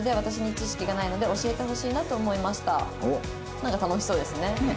なんか楽しそうですね。